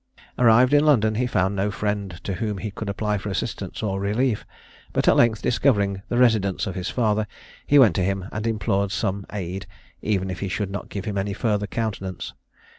Arrived in London, he found no friend to whom he could apply for assistance or relief, but at length discovering the residence of his father, he went to him and implored some aid, even if he should not give him any further countenance.